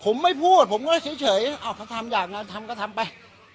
ผมไม่พูดผมก็เฉยเขาทำอย่างนั้นทำก็ทำไป